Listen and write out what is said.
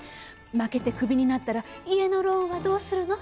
負けてクビになったら家のローンはどうするの？